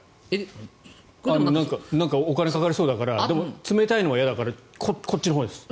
なんかお金かかりそうだから冷たいのが嫌だからこっちのほうです。